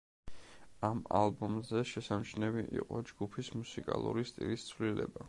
ამ ალბომზე შესამჩნევი იყო ჯგუფის მუსიკალური სტილის ცვლილება.